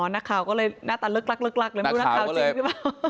นักข่าวก็เลยหน้าตาเลิกลักเลยไม่รู้นักข่าวจริงหรือเปล่า